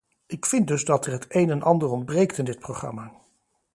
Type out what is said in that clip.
Ik vind dus dat er het een en ander ontbreekt in dit programma.